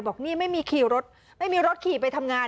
บอกนี่ไม่มีขี่รถไม่มีรถขี่ไปทำงาน